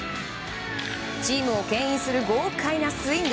チームを牽引する豪快なスイング。